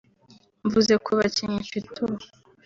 Mvuze ku bakinnyi mfite ubu